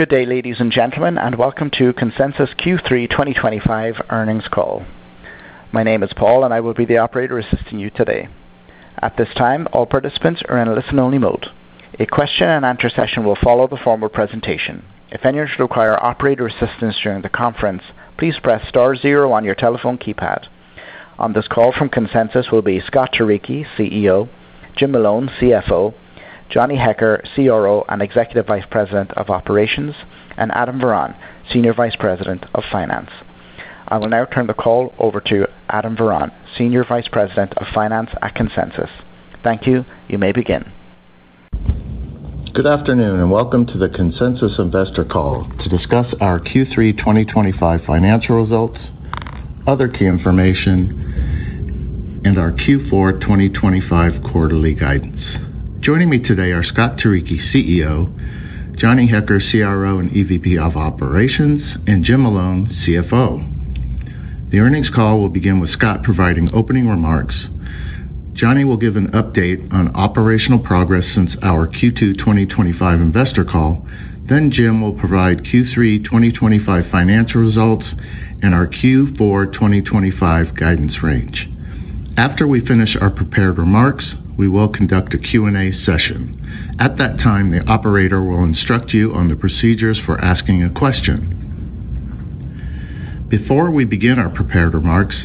Good day, ladies and gentlemen, and welcome to Consensus Q3 2025 Earnings Call. My name is Paul, and I will be the operator assisting you today. At this time, all participants are in a listen-only mode. A question-and-answer session will follow the formal presentation. If any of you require operator assistance during the conference, please press star zero on your telephone keypad. On this call from Consensus will be Scott Turicchi, CEO; Jim Malone, CFO; Johnny Hecker, CRO and Executive Vice President of Operations; and Adam Varon, Senior Vice President of Finance. I will now turn the call over to Adam Varon, Senior Vice President of Finance at Consensus. Thank you. You may begin. Good afternoon, and welcome to the Consensus Investor Call to discuss our Q3 2025 financial results, other key information, and our Q4 2025 quarterly guidance. Joining me today are Scott Turicchi, CEO; Johnny Hecker, CRO and EVP of Operations; and Jim Malone, CFO. The earnings call will begin with Scott providing opening remarks. Johnny will give an update on operational progress since our Q2 2025 investor call. Jim will provide Q3 2025 financial results and our Q4 2025 guidance range. After we finish our prepared remarks, we will conduct a Q&A session. At that time, the operator will instruct you on the procedures for asking a question. Before we begin our prepared remarks,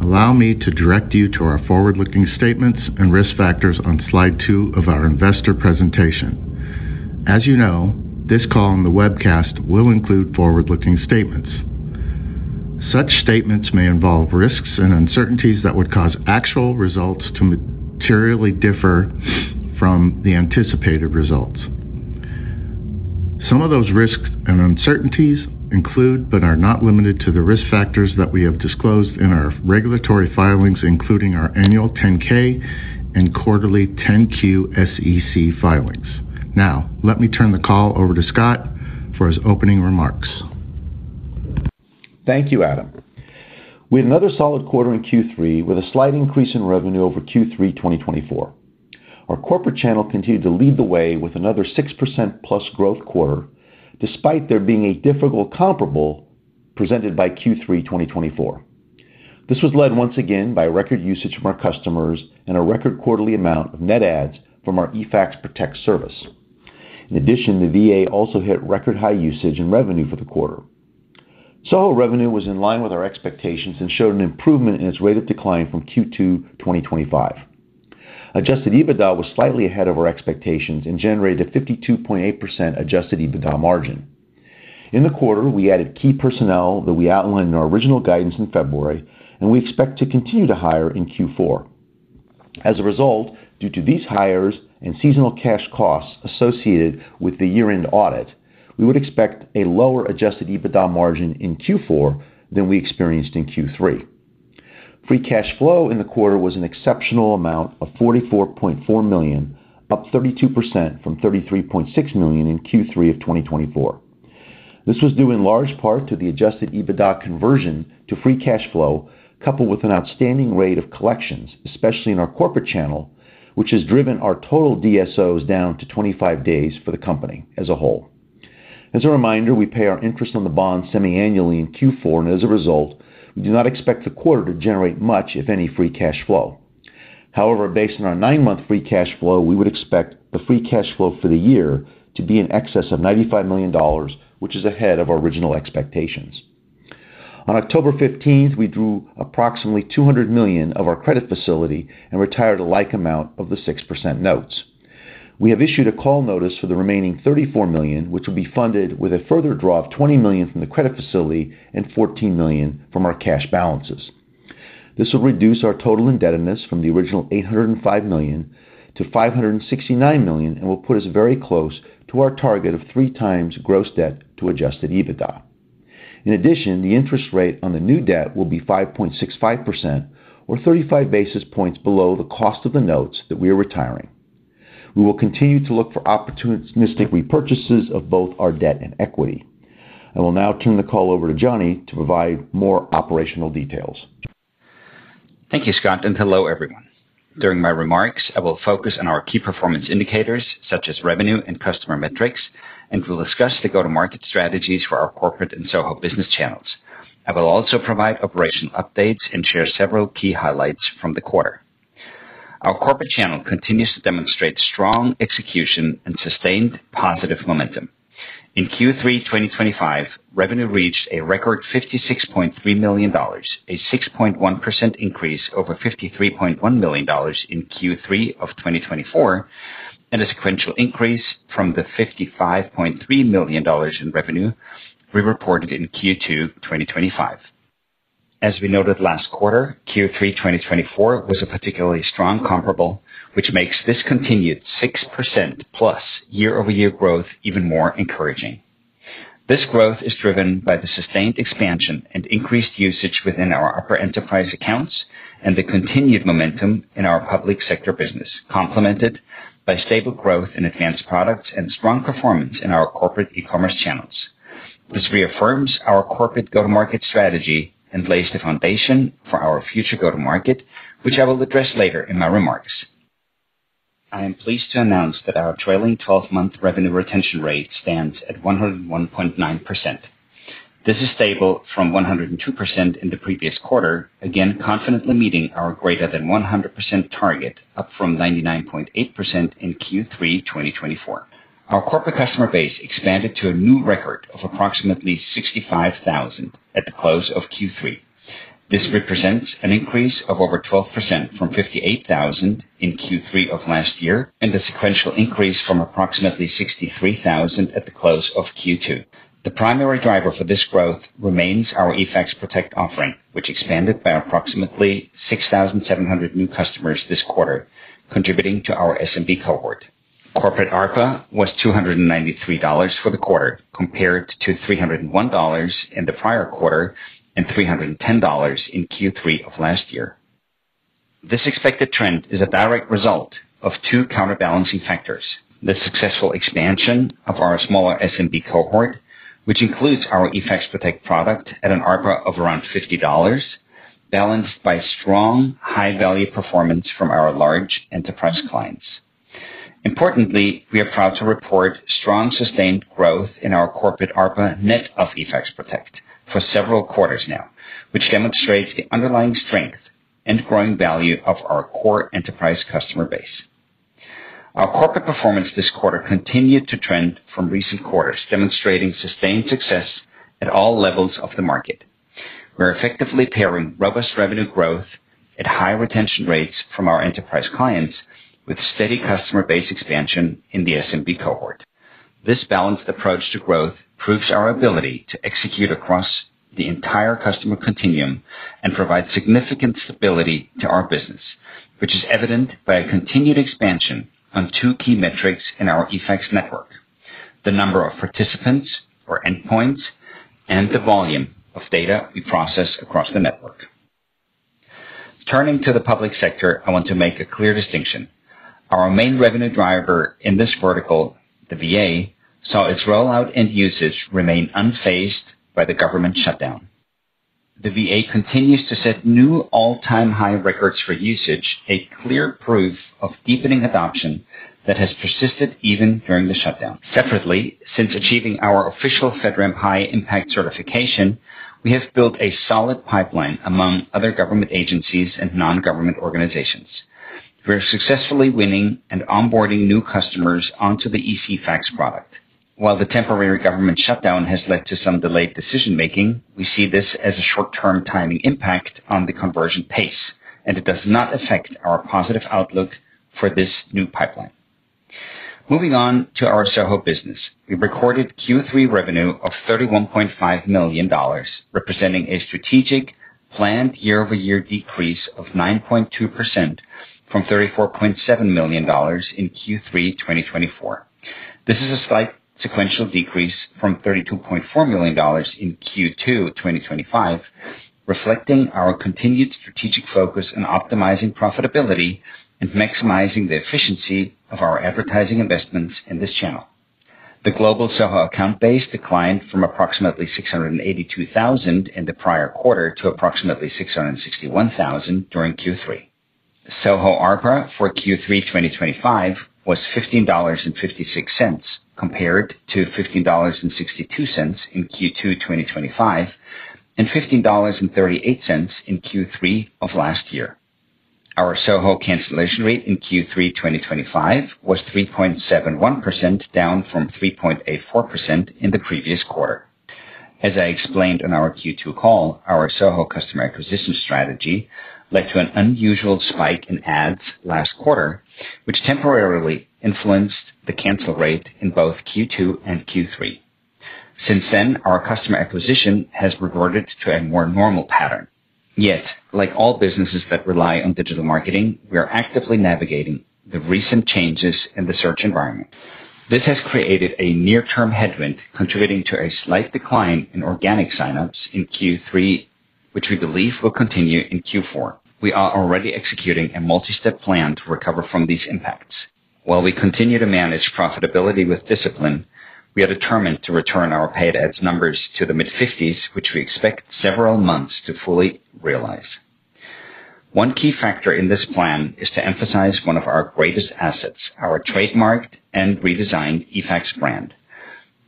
allow me to direct you to our forward-looking statements and risk factors on slide two of our investor presentation. As you know, this call and the webcast will include forward-looking statements. Such statements may involve risks and uncertainties that would cause actual results to materially differ from the anticipated results. Some of those risks and uncertainties include, but are not limited to, the risk factors that we have disclosed in our regulatory filings, including our annual 10-K and quarterly 10-Q SEC filings. Now, let me turn the call over to Scott for his opening remarks. Thank you, Adam. We had another solid quarter in Q3 with a slight increase in revenue over Q3 2024. Our corporate channel continued to lead the way with another 6%-plus growth quarter, despite there being a difficult comparable presented by Q3 2024. This was led once again by record usage from our customers and a record quarterly amount of net adds from our eFax Protect service. In addition, the VA also hit record high usage and revenue for the quarter. Solo revenue was in line with our expectations and showed an improvement in its rate of decline from Q2 2025. Adjusted EBITDA was slightly ahead of our expectations and generated a 52.8% adjusted EBITDA margin. In the quarter, we added key personnel that we outlined in our original guidance in February, and we expect to continue to hire in Q4. As a result, due to these hires and seasonal cash costs associated with the year-end audit, we would expect a lower adjusted EBITDA margin in Q4 than we experienced in Q3. Free cash flow in the quarter was an exceptional amount of $44.4 million, up 32% from $33.6 million in Q3 of 2024. This was due in large part to the adjusted EBITDA conversion to free cash flow, coupled with an outstanding rate of collections, especially in our corporate channel, which has driven our total DSOs down to 25 days for the company as a whole. As a reminder, we pay our interest on the bond semi-annually in Q4, and as a result, we do not expect the quarter to generate much, if any, free cash flow. However, based on our nine-month free cash flow, we would expect the free cash flow for the year to be in excess of $95 million, which is ahead of our original expectations. On October 15th, we drew approximately $200 million of our credit facility and retired a like amount of the 6% notes. We have issued a call notice for the remaining $34 million, which will be funded with a further draw of $20 million from the credit facility and $14 million from our cash balances. This will reduce our total indebtedness from the original $805 million to $569 million and will put us very close to our target of three times gross debt to adjusted EBITDA. In addition, the interest rate on the new debt will be 5.65%, or 35 basis points below the cost of the notes that we are retiring. We will continue to look for opportunistic repurchases of both our debt and equity. I will now turn the call over to Johnny to provide more operational details. Thank you, Scott, and hello, everyone. During my remarks, I will focus on our key performance indicators, such as revenue and customer metrics, and we'll discuss the go-to-market strategies for our corporate and SOHO business channels. I will also provide operational updates and share several key highlights from the quarter. Our corporate channel continues to demonstrate strong execution and sustained positive momentum. In Q3 2025, revenue reached a record $56.3 million, a 6.1% increase over $53.1 million in Q3 of 2024, and a sequential increase from the $55.3 million in revenue we reported in Q2 2025. As we noted last quarter, Q3 2024 was a particularly strong comparable, which makes this continued 6%+ year-over-year growth even more encouraging. This growth is driven by the sustained expansion and increased usage within our upper enterprise accounts and the continued momentum in our public sector business, complemented by stable growth in advanced products and strong performance in our corporate e-commerce channels. This reaffirms our corporate go-to-market strategy and lays the foundation for our future go-to-market, which I will address later in my remarks. I am pleased to announce that our trailing 12-month revenue retention rate stands at 101.9%. This is stable from 102% in the previous quarter, again confidently meeting our greater than 100% target, up from 99.8% in Q3 2024. Our corporate customer base expanded to a new record of approximately 65,000 at the close of Q3. This represents an increase of over 12% from 58,000 in Q3 of last year and a sequential increase from approximately 63,000 at the close of Q2. The primary driver for this growth remains our eFax Protect offering, which expanded by approximately 6,700 new customers this quarter, contributing to our SMB cohort. Corporate ARPA was $293 for the quarter, compared to $301 in the prior quarter and $310 in Q3 of last year. This expected trend is a direct result of two counterbalancing factors: the successful expansion of our smaller SMB cohort, which includes our eFax Protect product at an ARPA of around $50, balanced by strong, high-value performance from our large enterprise clients. Importantly, we are proud to report strong, sustained growth in our corporate ARPA net of eFax Protect for several quarters now, which demonstrates the underlying strength and growing value of our core enterprise customer base. Our corporate performance this quarter continued to trend from recent quarters, demonstrating sustained success at all levels of the market. We're effectively paring robust revenue growth at high retention rates from our enterprise clients, with steady customer base expansion in the SMB cohort. This balanced approach to growth proves our ability to execute across the entire customer continuum and provide significant stability to our business, which is evident by a continued expansion on two key metrics in our eFax network: the number of participants, or endpoints, and the volume of data we process across the network. Turning to the public sector, I want to make a clear distinction. Our main revenue driver in this vertical, the VA, saw its rollout and usage remain unfazed by the government shutdown. The VA continues to set new all-time high records for usage, a clear proof of deepening adoption that has persisted even during the shutdown. Separately, since achieving our official FedRAMP High Impact certification, we have built a solid pipeline among other government agencies and non-government organizations. We're successfully winning and onboarding new customers onto the eFax product. While the temporary government shutdown has led to some delayed decision-making, we see this as a short-term timing impact on the conversion pace, and it does not affect our positive outlook for this new pipeline. Moving on to our SOHO business, we recorded Q3 revenue of $31.5 million, representing a strategic, planned year-over-year decrease of 9.2% from $34.7 million in Q3 2024. This is a slight sequential decrease from $32.4 million in Q2 2025. Reflecting our continued strategic focus in optimizing profitability and maximizing the efficiency of our advertising investments in this channel. The global SOHO account base declined from approximately 682,000 in the prior quarter to approximately 661,000 during Q3. SOHO ARPA for Q3 2025 was $15.56, compared to $15.62 in Q2 2025 and $15.38 in Q3 of last year. Our SOHO cancellation rate in Q3 2025 was 3.71%, down from 3.84% in the previous quarter. As I explained on our Q2 call, our SOHO customer acquisition strategy led to an unusual spike in ads last quarter, which temporarily influenced the cancel rate in both Q2 and Q3. Since then, our customer acquisition has reverted to a more normal pattern. Yet, like all businesses that rely on digital marketing, we are actively navigating the recent changes in the search environment. This has created a near-term headwind, contributing to a slight decline in organic sign-ups in Q3, which we believe will continue in Q4. We are already executing a multi-step plan to recover from these impacts. While we continue to manage profitability with discipline, we are determined to return our paid ads numbers to the mid-50s, which we expect several months to fully realize. One key factor in this plan is to emphasize one of our greatest assets: our trademarked and redesigned eFax brand.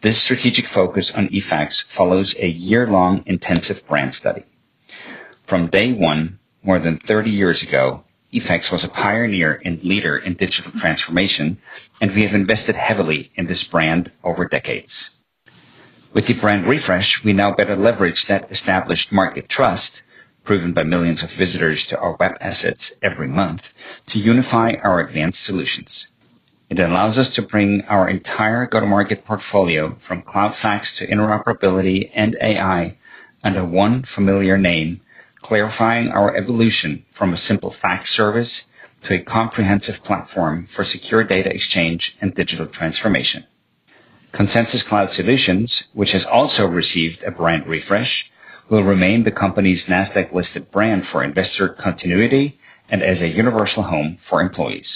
This strategic focus on eFax follows a year-long intensive brand study. From day one, more than 30 years ago, eFax was a pioneer and leader in digital transformation, and we have invested heavily in this brand over decades. With the brand refresh, we now better leverage that established market trust, proven by millions of visitors to our web assets every month, to unify our advanced solutions. It allows us to bring our entire go-to-market portfolio, from Cloud SACS to interoperability and AI, under one familiar name, clarifying our evolution from a simple fax service to a comprehensive platform for secure data exchange and digital transformation. Consensus Cloud Solutions, which has also received a brand refresh, will remain the company's NASDAQ-listed brand for investor continuity and as a universal home for employees.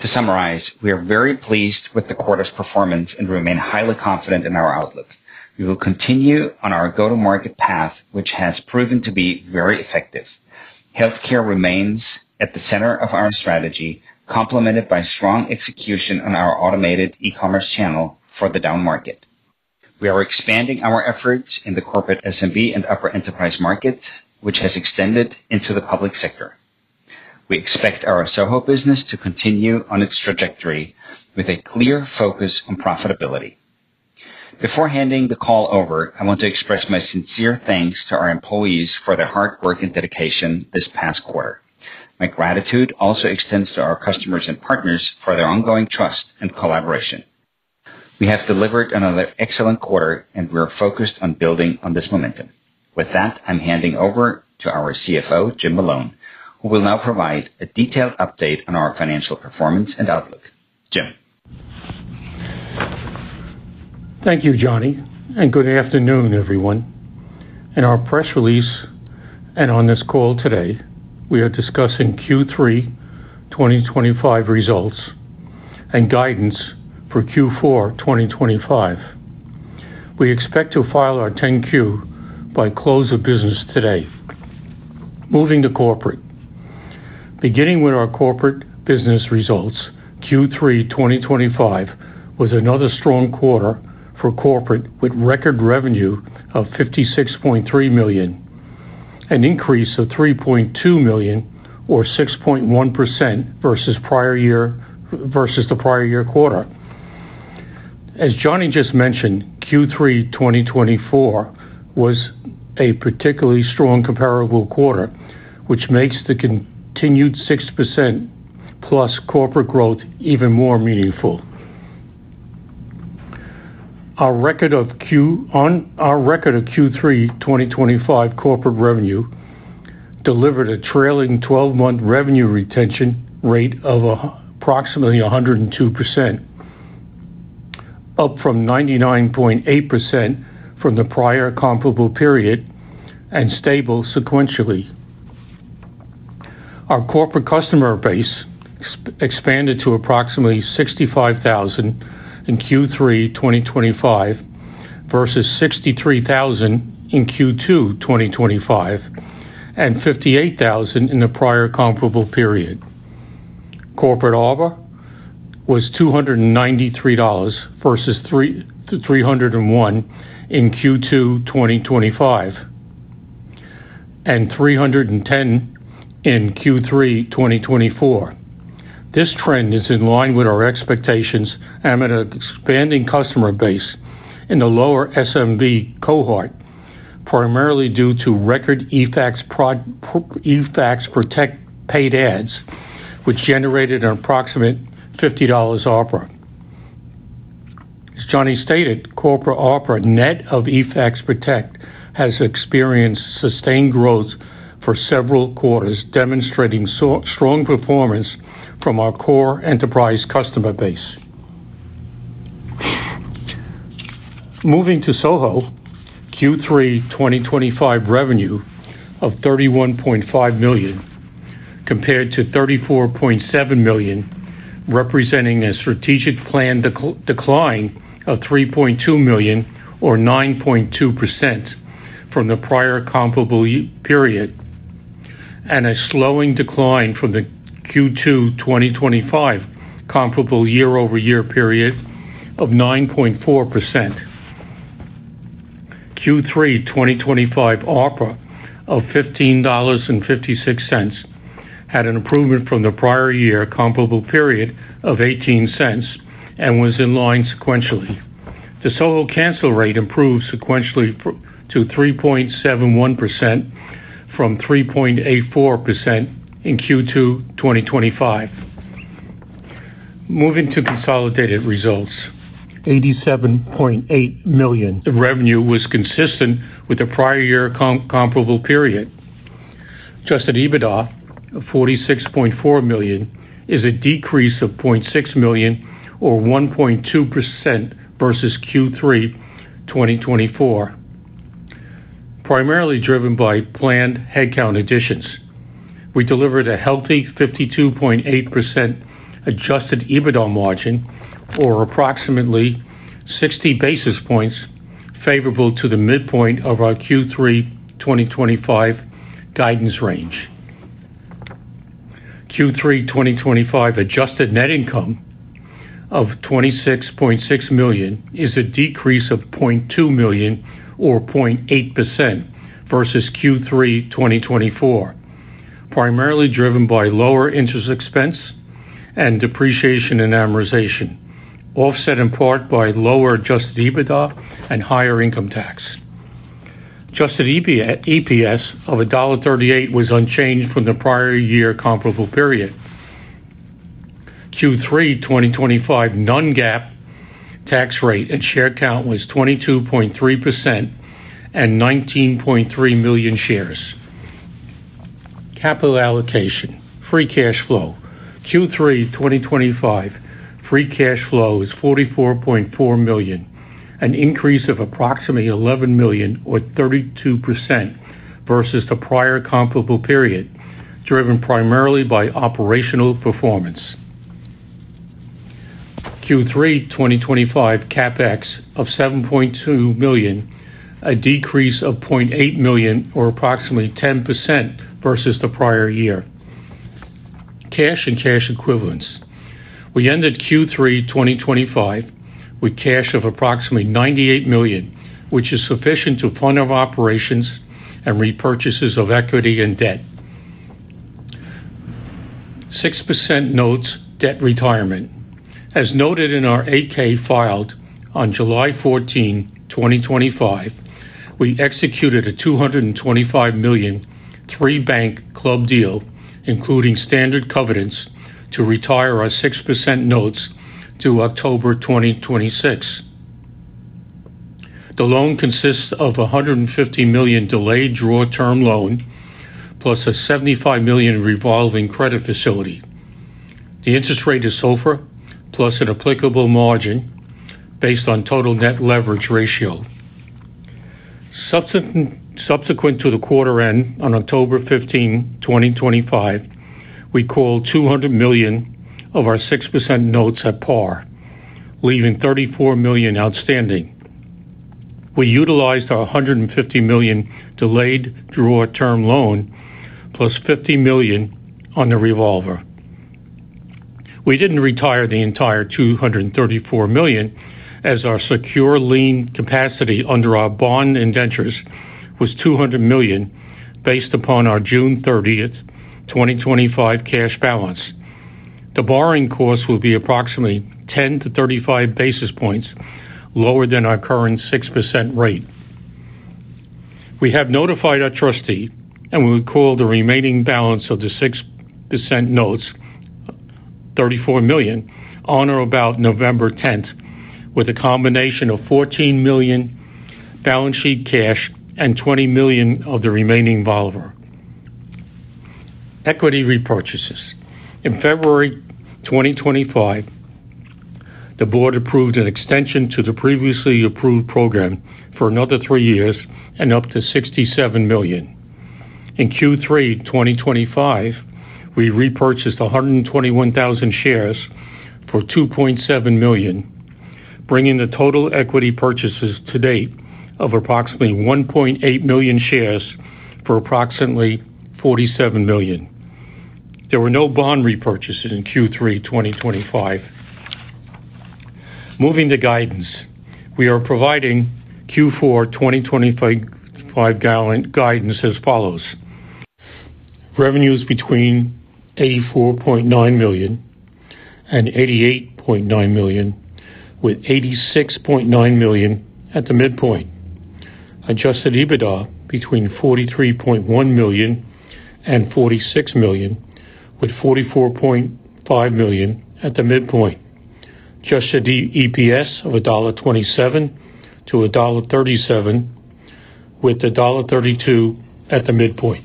To summarize, we are very pleased with the quarter's performance and remain highly confident in our outlook. We will continue on our go-to-market path, which has proven to be very effective. Healthcare remains at the center of our strategy, complemented by strong execution on our automated e-commerce channel for the down market. We are expanding our efforts in the corporate SMB and upper enterprise markets, which has extended into the public sector. We expect our SOHO business to continue on its trajectory with a clear focus on profitability. Before handing the call over, I want to express my sincere thanks to our employees for their hard work and dedication this past quarter. My gratitude also extends to our customers and partners for their ongoing trust and collaboration. We have delivered another excellent quarter, and we are focused on building on this momentum. With that, I'm handing over to our CFO, Jim Malone, who will now provide a detailed update on our financial performance and outlook. Jim. Thank you, Johnny, and good afternoon, everyone. In our press release and on this call today, we are discussing Q3 2025 results and guidance for Q4 2025. We expect to file our 10-Q by close of business today. Moving to corporate. Beginning with our corporate business results, Q3 2025 was another strong quarter for corporate with record revenue of $56.3 million, an increase of $3.2 million, or 6.1% versus the prior year quarter. As Johnny just mentioned, Q3 2024 was a particularly strong comparable quarter, which makes the continued 6%+ corporate growth even more meaningful. Our record of Q3 2025 corporate revenue delivered a trailing 12-month revenue retention rate of approximately 102%, up from 99.8% from the prior comparable period, and stable sequentially. Our corporate customer base expanded to approximately 65,000 in Q3 2025 versus 63,000 in Q2 2025 and 58,000 in the prior comparable period. Corporate ARPA was $293 versus $301 in Q2 2025 and $310 in Q3 2024. This trend is in line with our expectations amid an expanding customer base in the lower SMB cohort, primarily due to record eFax paid ads, which generated an approximate $50 ARPA. As Johnny stated, corporate ARPA net of eFax Protect has experienced sustained growth for several quarters, demonstrating strong performance from our core enterprise customer base. Moving to SOHO, Q3 2025 revenue of $31.5 million compared to $34.7 million, representing a strategic planned decline of $3.2 million, or 9.2%, from the prior comparable period. It was a slowing decline from the Q2 2025 comparable year-over-year period of 9.4%. Q3 2025 ARPA of $15.56 had an improvement from the prior year comparable period of $0.18 and was in line sequentially. The SOHO cancel rate improved sequentially to 3.71% from 3.84% in Q2 2025. Moving to consolidated results, $87.8 million. The revenue was consistent with the prior year comparable period. Adjusted EBITDA of $46.4 million is a decrease of $0.6 million, or 1.2%, versus Q3 2024. Primarily driven by planned headcount additions, we delivered a healthy 52.8% adjusted EBITDA margin, or approximately 60 basis points, favorable to the midpoint of our Q3 2025 guidance range. Q3 2025 adjusted net income of $26.6 million is a decrease of $0.2 million, or 0.8%, versus Q3 2024. Primarily driven by lower interest expense and depreciation and amortization, offset in part by lower adjusted EBITDA and higher income tax. Adjusted EPS of $1.38 was unchanged from the prior year comparable period. Q3 2025 non-GAAP tax rate and share count was 22.3% and 19.3 million shares. Capital allocation, free cash flow. Q3 2025 free cash flow is $44.4 million, an increase of approximately $11 million, or 32%. Versus the prior comparable period. Driven primarily by operational performance. Q3 2025 CapEx of $7.2 million, a decrease of $0.8 million, or approximately 10%, versus the prior year. Cash and cash equivalents. We ended Q3 2025 with cash of approximately $98 million, which is sufficient to fund our operations and repurchases of equity and debt. 6% notes debt retirement. As noted in our AK filed on July 14, 2025. We executed a $225 million three-bank club deal, including standard covenants, to retire our 6% notes to October 2026. The loan consists of a $150 million delayed draw term loan plus a $75 million revolving credit facility. The interest rate is SOFR plus an applicable margin based on total net leverage ratio. Subsequent to the quarter end on October 15, 2025, we called $200 million of our 6% notes at par, leaving $34 million outstanding. We utilized our $150 million delayed draw term loan plus $50 million on the revolver. We did not retire the entire $234 million, as our secure lien capacity under our bond and ventures was $200 million based upon our June 30, 2025 cash balance. The borrowing course will be approximately 10-35 basis points lower than our current 6% rate. We have notified our trustee, and we will call the remaining balance of the 6% notes, $34 million, on or about November 10, with a combination of $14 million balance sheet cash and $20 million of the remaining revolver. Equity repurchases. In February 2025, the board approved an extension to the previously approved program for another three years and up to $67 million. In Q3 2025, we repurchased 121,000 shares for $2.7 million, bringing the total equity purchases to date of approximately 1.8 million shares for approximately $47 million. There were no bond repurchases in Q3 2025. Moving to guidance. We are providing Q4 2025 guidance as follows. Revenues between $84.9 million and $88.9 million, with $86.9 million at the midpoint. Adjusted EBITDA between $43.1 million and $46 million, with $44.5 million at the midpoint. Just a EPS of $1.27-$1.37, with $1.32 at the midpoint.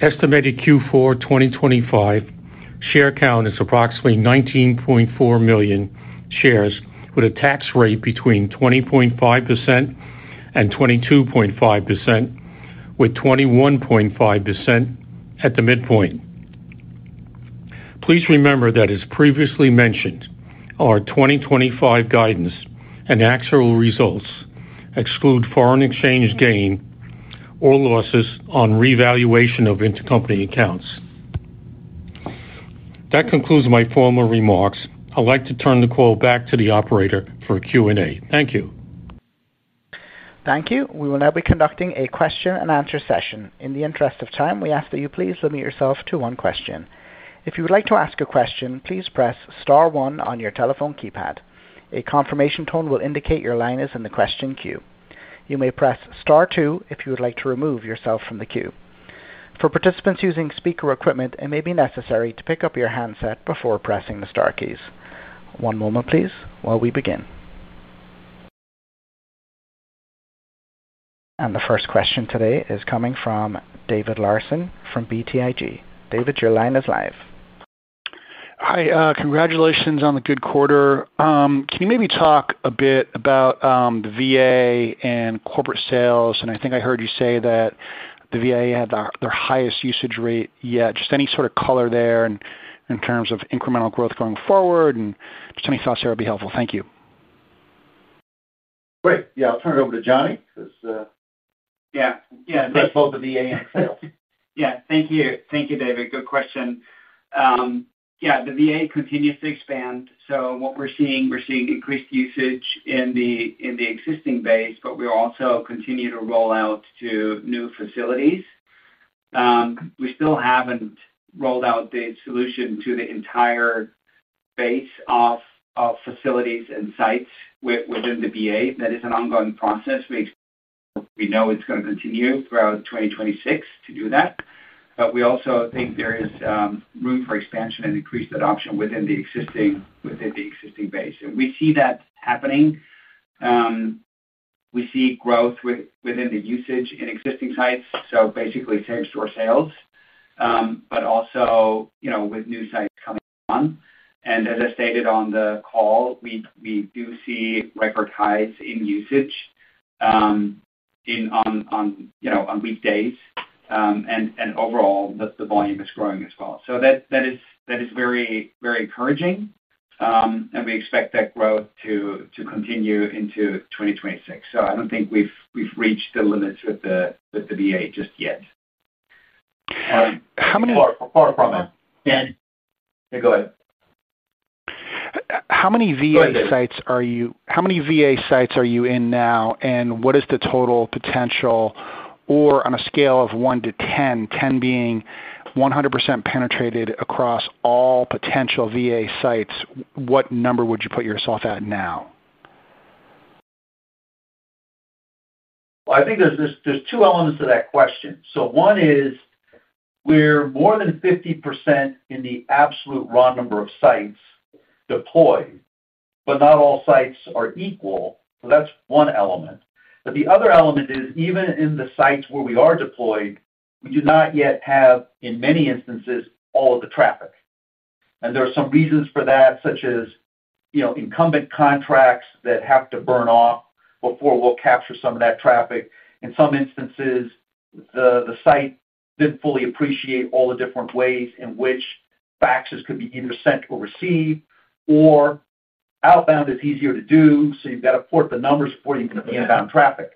Estimated Q4 2025 share count is approximately 19.4 million shares, with a tax rate between 20.5%-22.5%, with 21.5% at the midpoint. Please remember that, as previously mentioned, our 2025 guidance and actual results exclude foreign exchange gain or losses on revaluation of intercompany accounts. That concludes my formal remarks. I'd like to turn the call back to the operator for a Q&A. Thank you. Thank you. We will now be conducting a question-and-answer session. In the interest of time, we ask that you please limit yourself to one question. If you would like to ask a question, please press Star 1 on your telephone keypad. A confirmation tone will indicate your line is in the question queue. You may press Star 2 if you would like to remove yourself from the queue. For participants using speaker equipment, it may be necessary to pick up your handset before pressing the Star keys. One moment, please, while we begin. The first question today is coming from David Larson from BTIG. David, your line is live. Hi. Congratulations on the good quarter. Can you maybe talk a bit about the VA and corporate sales? I think I heard you say that the VA had their highest usage rate yet. Just any sort of color there in terms of incremental growth going forward? Just any thoughts there would be helpful. Thank you. Great. Yeah. I'll turn it over to Johnny because. Yeah. Yeah. Both the VA and sales. Yeah. Thank you. Thank you, David. Good question. Yeah. The VA continues to expand. What we're seeing, we're seeing increased usage in the existing base, but we also continue to roll out to new facilities. We still haven't rolled out the solution to the entire base of facilities and sites within the VA. That is an ongoing process. We know it's going to continue throughout 2026 to do that. We also think there is room for expansion and increased adoption within the existing base. We see that happening. We see growth within the usage in existing sites, so basically same-store sales. Also, with new sites coming on. As I stated on the call, we do see record highs in usage on weekdays. Overall, the volume is growing as well. That is very encouraging. We expect that growth to continue into 2026. I don't think we've reached the limits with the VA just yet. How many. Go ahead. How many VA sites are you—how many VA sites are you in now? What is the total potential? On a scale of 1-10, 10 being 100% penetrated across all potential VA sites, what number would you put yourself at now? I think there's two elements to that question. One is, we're more than 50% in the absolute raw number of sites deployed, but not all sites are equal. That's one element. The other element is, even in the sites where we are deployed, we do not yet have, in many instances, all of the traffic. There are some reasons for that, such as incumbent contracts that have to burn off before we'll capture some of that traffic. In some instances, the site didn't fully appreciate all the different ways in which faxes could be either sent or received, or outbound is easier to do, so you've got to port the numbers before you can get inbound traffic.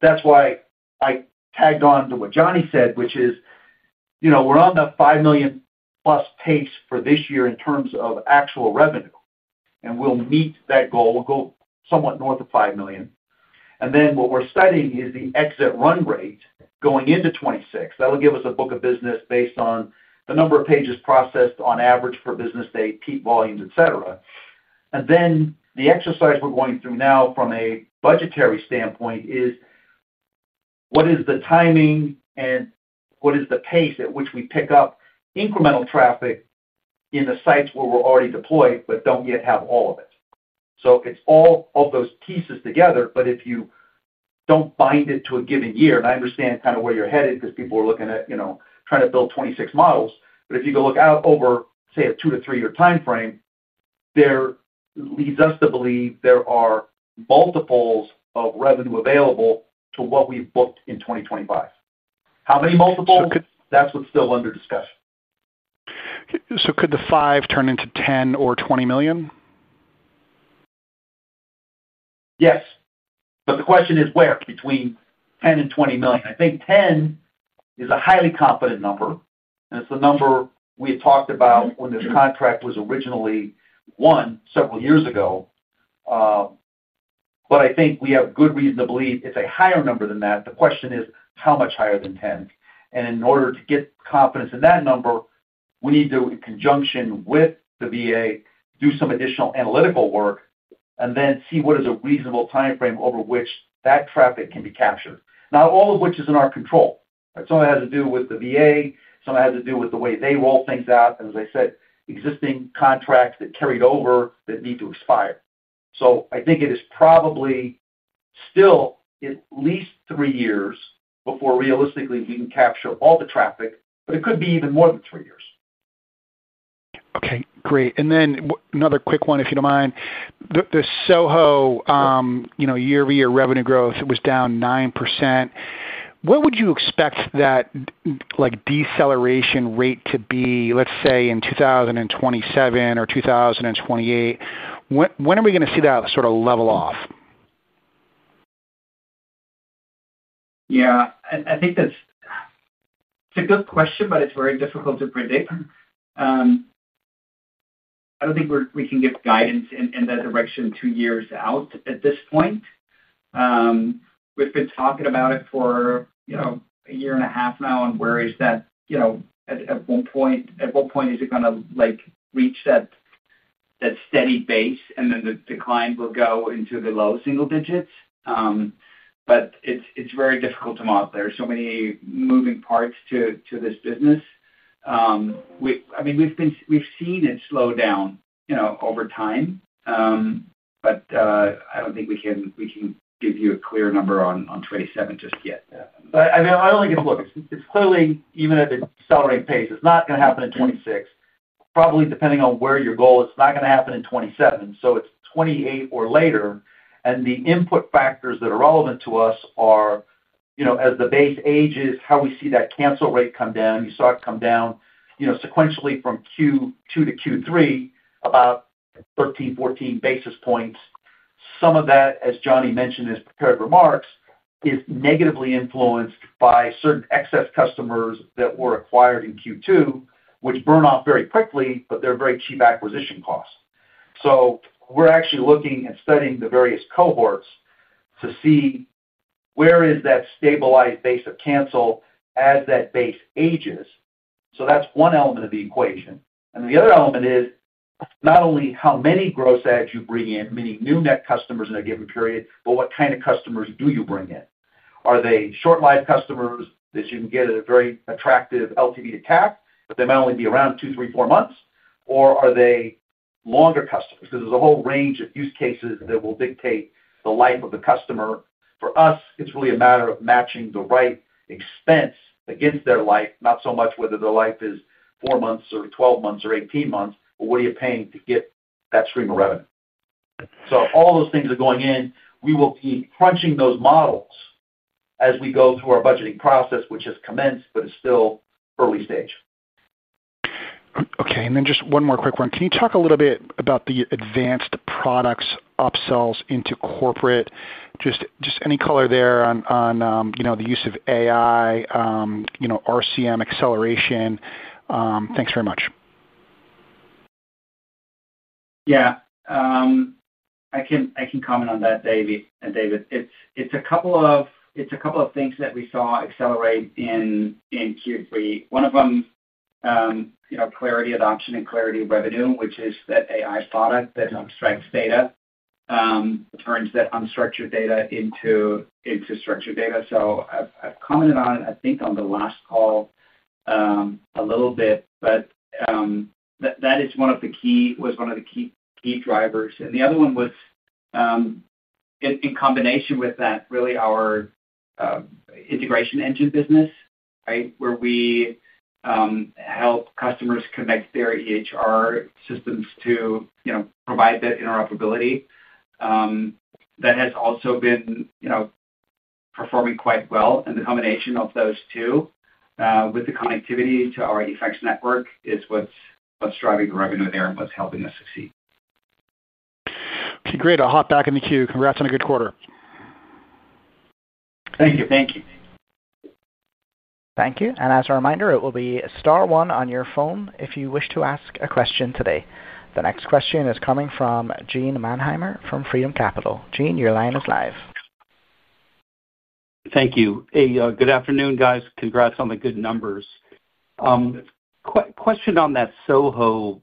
That's why I tagged on to what Johnny said, which is, we're on the $5 million-plus pace for this year in terms of actual revenue. We'll meet that goal. We'll go somewhat north of $5 million. What we're studying is the exit run rate going into 2026. That'll give us a book of business based on the number of pages processed on average for business day, peak volumes, etc. The exercise we're going through now from a budgetary standpoint is, what is the timing and what is the pace at which we pick up incremental traffic in the sites where we're already deployed but don't yet have all of it? It's all of those pieces together. If you don't bind it to a given year—and I understand kind of where you're headed because people are looking at trying to build 2026 models—if you go look out over, say, a two to three-year timeframe. There leads us to believe there are multiples of revenue available to what we've booked in 2025. How many multiples? That's what's still under discussion. Could the 5 turn into 10 or 20 million? Yes. The question is where between $10 million and $20 million. I think $10 million is a highly confident number, and it's the number we had talked about when this contract was originally won several years ago. I think we have good reason to believe it's a higher number than that. The question is how much higher than $10 million. In order to get confidence in that number, we need to, in conjunction with the VA, do some additional analytical work and then see what is a reasonable timeframe over which that traffic can be captured. Not all of which is in our control. It is something that has to do with the VA. It is something that has to do with the way they roll things out. As I said, existing contracts that carried over that need to expire. I think it is probably. Still at least three years before realistically we can capture all the traffic, but it could be even more than three years. Okay. Great. Then another quick one, if you don't mind. The SOHO year-over-year revenue growth was down 9%. What would you expect that deceleration rate to be, let's say, in 2027 or 2028? When are we going to see that sort of level off? Yeah. I think that's a good question, but it's very difficult to predict. I don't think we can give guidance in that direction two years out at this point. We've been talking about it for a year and a half now, and where is that? At what point is it going to reach that steady base, and then the decline will go into the low single digits? But it's very difficult to model. There are so many moving parts to this business. I mean, we've seen it slow down over time, but I don't think we can give you a clear number on 2027 just yet. I mean, I don't think it's—look, it's clearly, even at the accelerating pace, it's not going to happen in 2026. Probably depending on where your goal, it's not going to happen in 2027. So it's 2028 or later. The input factors that are relevant to us are, as the base ages, how we see that cancel rate come down. You saw it come down sequentially from Q2 to Q3, about 13-14 basis points. Some of that, as Johnny mentioned in his prepared remarks, is negatively influenced by certain excess customers that were acquired in Q2, which burn off very quickly, but they are very cheap acquisition costs. We are actually looking and studying the various cohorts to see where is that stabilized base of cancel as that base ages. That is one element of the equation. The other element is not only how many gross adds you bring in, many new net customers in a given period, but what kind of customers do you bring in? Are they short-lived customers that you can get at a very attractive LTV attack, but they might only be around two, three, four months? Or are they longer customers? Because there's a whole range of use cases that will dictate the life of the customer. For us, it's really a matter of matching the right expense against their life, not so much whether their life is 4 months or 12 months or 18 months, but what are you paying to get that stream of revenue? All those things are going in. We will be crunching those models as we go through our budgeting process, which has commenced but is still early stage. Okay. And then just one more quick one. Can you talk a little bit about the advanced products upsells into corporate? Just any color there on the use of AI. RCM acceleration. Thanks very much. Yeah. I can comment on that, David. It's a couple of things that we saw accelerate in Q3. One of them, Clarity adoption and Clarity revenue, which is that AI product that abstracts data, turns that unstructured data into structured data. I commented on it, I think, on the last call a little bit, but that is one of the key—was one of the key drivers. The other one was, in combination with that, really our Integration Engine business, right, where we help customers connect their EHR systems to provide that interoperability. That has also been performing quite well. The combination of those two, with the connectivity to our eFax network, is what's driving the revenue there and what's helping us succeed. Okay. Great. I'll hop back in the queue. Congrats on a good quarter. Thank you. Thank you. Thank you. As a reminder, it will be a Star 1 on your phone if you wish to ask a question today. The next question is coming from Gene Manheimer from Freedom Capital. Gene, your line is live. Thank you. Hey, good afternoon, guys. Congrats on the good numbers. Question on that SOHO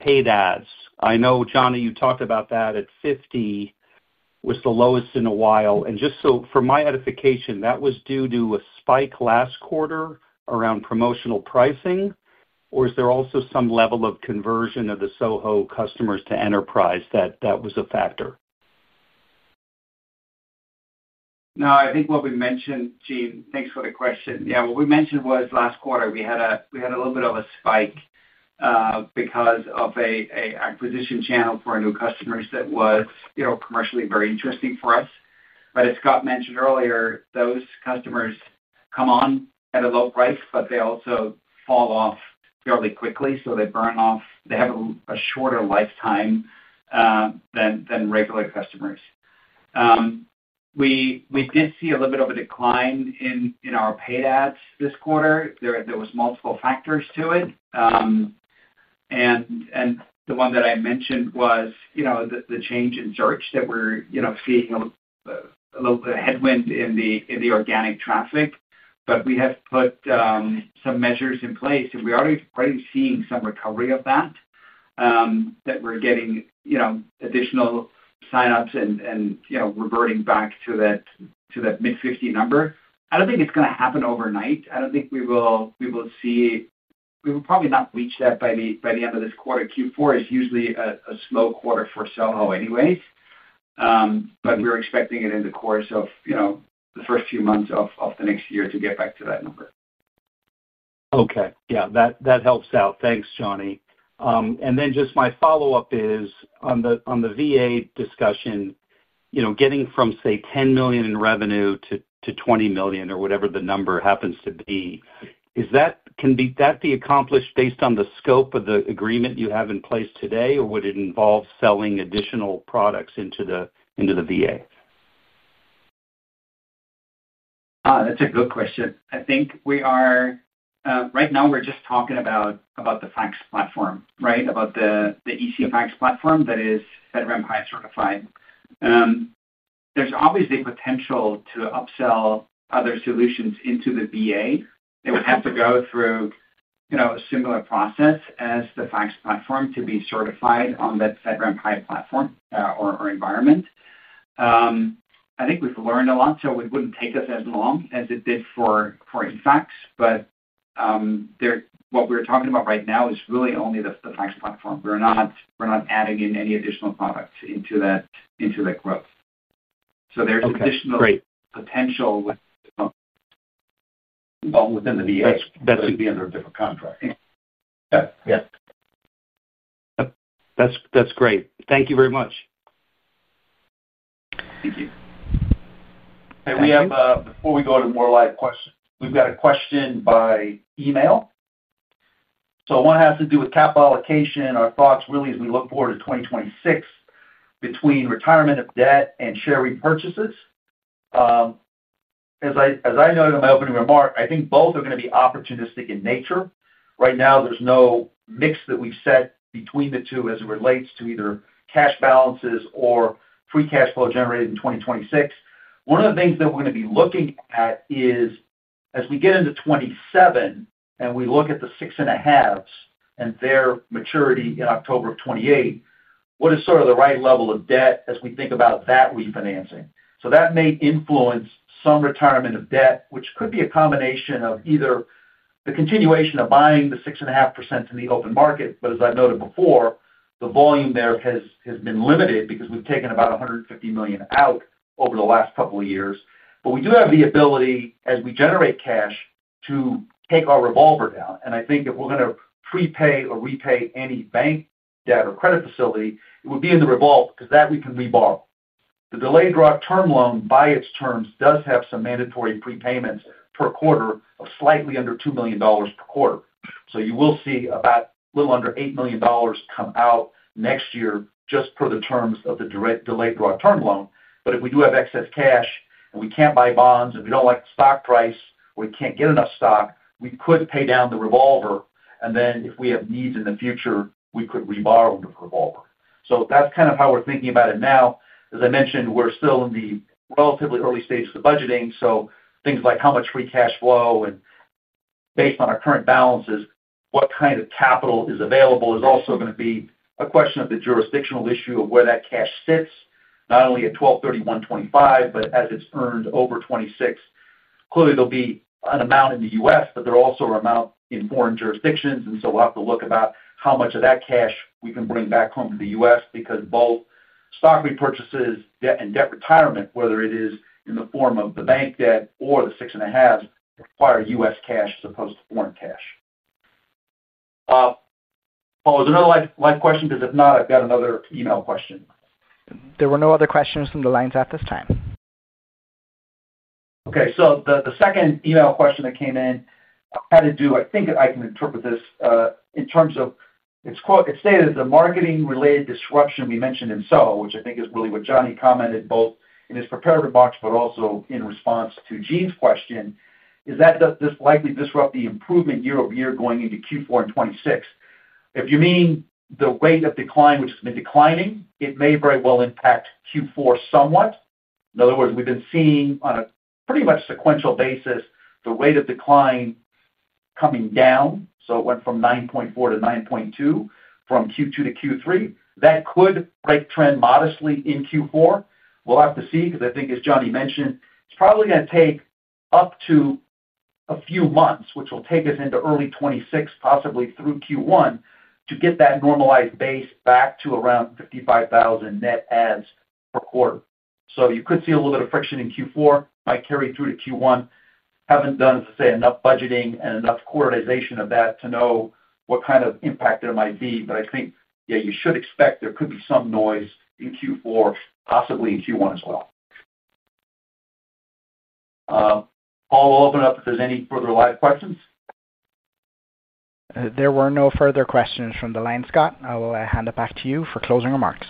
paid ads. I know, Johnny, you talked about that at 50. Was the lowest in a while. And just so for my edification, that was due to a spike last quarter around promotional pricing, or is there also some level of conversion of the SOHO customers to enterprise that that was a factor? No, I think what we mentioned—Gene, thanks for the question. Yeah. What we mentioned was last quarter, we had a little bit of a spike because of an acquisition channel for our new customers that was commercially very interesting for us. As Scott mentioned earlier, those customers come on at a low price, but they also fall off fairly quickly. They burn off. They have a shorter lifetime than regular customers. We did see a little bit of a decline in our paid ads this quarter. There were multiple factors to it. The one that I mentioned was the change in search that we're seeing, a little bit of a headwind in the organic traffic. We have put some measures in place, and we're already seeing some recovery of that. We're getting additional sign-ups and reverting back to that mid-50 number. I don't think it's going to happen overnight. I don't think we will see— We will probably not reach that by the end of this quarter. Q4 is usually a slow quarter for SOHO anyways. We are expecting it in the course of the first few months of the next year to get back to that number. Okay. Yeah. That helps out. Thanks, Johnny. Just my follow-up is, on the VA discussion, getting from, say, $10 million in revenue to $20 million or whatever the number happens to be, can that be accomplished based on the scope of the agreement you have in place today, or would it involve selling additional products into the VA? That's a good question. I think we are— Right now, we're just talking about the fax platform, right, about the eFax platform that is FedRAMP High certified. There's obviously potential to upsell other solutions into the VA. It would have to go through a similar process as the fax platform to be certified on that FedRAMP High platform or environment. I think we've learned a lot, so it wouldn't take us as long as it did for eFax. What we're talking about right now is really only the fax platform. We're not adding in any additional products into that growth. There's additional potential within the VA through the end of a different contract. Yeah. That's great. Thank you very much. Thank you. Hey, we have—before we go to more live questions, we've got a question by email. One has to do with capital allocation. Our thoughts really as we look forward to 2026. Between retirement of debt and share repurchases. As I noted in my opening remark, I think both are going to be opportunistic in nature. Right now, there's no mix that we've set between the two as it relates to either cash balances or free cash flow generated in 2026. One of the things that we're going to be looking at is, as we get into 2027 and we look at the six and a halves and their maturity in October of 2028, what is sort of the right level of debt as we think about that refinancing? That may influence some retirement of debt, which could be a combination of either the continuation of buying the 6.5% in the open market. As I've noted before, the volume there has been limited because we've taken about $150 million out over the last couple of years. We do have the ability, as we generate cash, to take our revolver down. I think if we're going to prepay or repay any bank debt or credit facility, it would be in the revolver because that we can reborrow. The delayed-draw term loan, by its terms, does have some mandatory prepayments per quarter of slightly under $2 million per quarter. You will see about a little under $8 million come out next year just for the terms of the delayed-draw term loan. If we do have excess cash and we can't buy bonds and we don't like the stock price or we can't get enough stock, we could pay down the revolver. Then if we have needs in the future, we could reborrow the revolver. That's kind of how we're thinking about it now. As I mentioned, we're still in the relatively early stages of budgeting. Things like how much free cash flow and, based on our current balances, what kind of capital is available is also going to be a question of the jurisdictional issue of where that cash sits, not only at 12:30, 1:25, but as it's earned over 2026. Clearly, there will be an amount in the U.S., but there also are amounts in foreign jurisdictions. We'll have to look about how much of that cash we can bring back home to the U.S. because both stock repurchases, debt and debt retirement, whether it is in the form of the bank debt or the six and a halves, require U.S. cash as opposed to foreign cash. Paul, is there another live question? Because if not, I've got another email question. There were no other questions from the lines at this time. Okay. The second email question that came in had to do—I think I can interpret this in terms of—it states that the marketing-related disruption we mentioned in SOHO, which I think is really what Johnny commented both in his prepared remarks but also in response to Gene's question, is that this likely disrupt the improvement year-over-year going into Q4 and 2026? If you mean the rate of decline, which has been declining, it may very well impact Q4 somewhat. In other words, we've been seeing on a pretty much sequential basis the rate of decline coming down. It went from 9.4-9.2 from Q2 to Q3. That could break trend modestly in Q4. We'll have to see because I think, as Johnny mentioned, it's probably going to take up to a few months, which will take us into early 2026, possibly through Q1, to get that normalized base back to around 55,000 net ads per quarter. You could see a little bit of friction in Q4. Might carry through to Q1. Haven't done, as I say, enough budgeting and enough quarterization of that to know what kind of impact there might be. I think, yeah, you should expect there could be some noise in Q4, possibly in Q1 as well. Paul, we'll open it up if there's any further live questions. There were no further questions from the line, Scott. I will hand it back to you for closing remarks.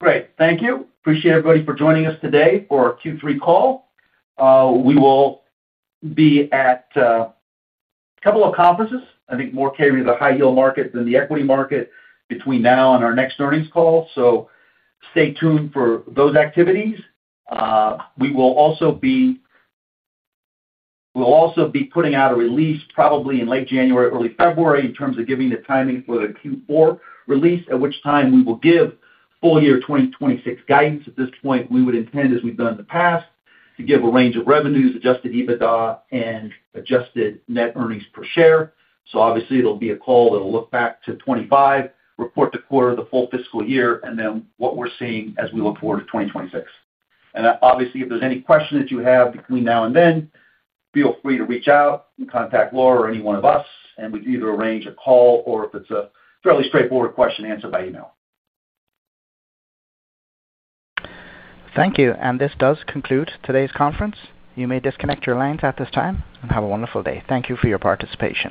Great. Thank you. Appreciate everybody for joining us today for our Q3 call. We will be at a couple of conferences. I think more carry the high-yield market than the equity market between now and our next earnings call. Stay tuned for those activities. We will also be putting out a release probably in late January, early February in terms of giving the timing for the Q4 release, at which time we will give full year 2026 guidance. At this point, we would intend, as we've done in the past, to give a range of revenues, adjusted EBITDA, and adjusted net earnings per share. Obviously, it'll be a call that'll look back to 2025, report the quarter, the full fiscal year, and then what we're seeing as we look forward to 2026. If there is any question that you have between now and then, feel free to reach out and contact Laura or any one of us, and we can either arrange a call or, if it is a fairly straightforward question, answer by email. Thank you. This does conclude today's conference. You may disconnect your lines at this time and have a wonderful day. Thank you for your participation.